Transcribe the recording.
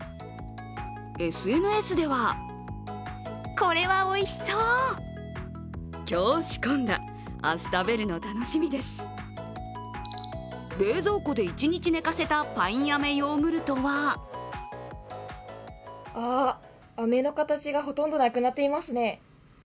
ＳＮＳでは冷蔵庫で一日寝かせたパインアメヨーグルトはアメの形がほとんどなくなっていますね。